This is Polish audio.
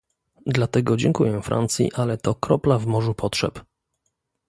Dlatego dziękuję Francji, ale to kropla w morzu potrzeb